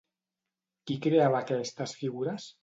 Qui creava aquestes figures?